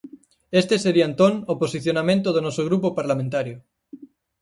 Este sería entón o posicionamento do noso grupo parlamentario.